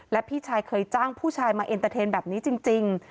และพี่ชายเคยจ้างผู้ชายมาเอ็นเตอร์เทนแบบนี้จริง